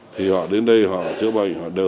thì họ đến đây họ đăng ký bảo hiểm y tế